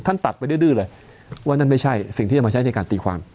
ตัดไปดื้อเลยว่านั่นไม่ใช่สิ่งที่จะมาใช้ในการตีความ